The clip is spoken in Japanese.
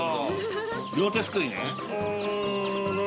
両手すくいね。